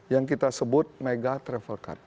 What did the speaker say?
yang kita sebut mega travel card